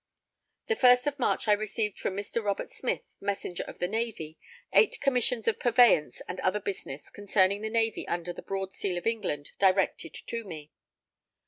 The first of March I received from Mr. Robert Smith, Messenger of the Navy, 8 commissions of purveyance and other business concerning the Navy under the Broad Seal of England directed to me.